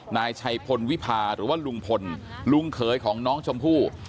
นายชัยพลวิพาหรือว่าลุงพลลุงเขยของน้องชมพู่